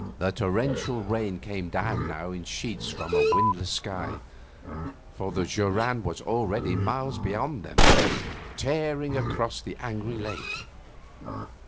The torrential rain came down in sheets now from a windless sky, for the joran was already miles beyond them, tearing across the angry lake.